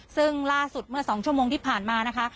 ซึ่งล่าสุดเมื่อ๒ชั่วโมงที่ผ่านมานะคะ